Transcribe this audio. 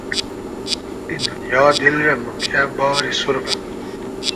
ای دونیا، دیل رۂ موگیۂ باری سوربۂ